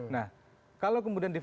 nah kalau kemudian